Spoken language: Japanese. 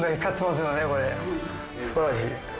すばらしい。